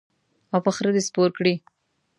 او په خره دې سپور کړي.